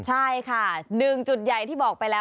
ใช่ค่ะ๑จุดใหญ่ที่บอกไปแล้ว